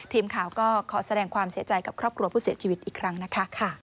ทีมข่าวก็ขอแสดงความเสียใจกับครอบครัวผู้เสียชีวิตอีกครั้งนะคะ